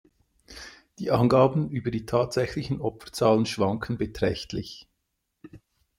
Die Angaben über die tatsächlichen Opferzahlen schwanken beträchtlich.